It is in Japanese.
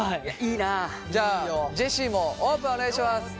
じゃあジェシーもオープンお願いします。